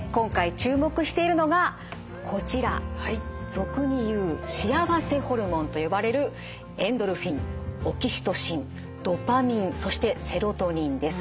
俗に言う幸せホルモンと呼ばれるエンドルフィンオキシトシンドパミンそしてセロトニンです。